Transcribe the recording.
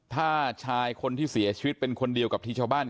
ถ้าชายคนที่เสียชีวิตเป็นคนเดียวกับที่ชาวบ้าน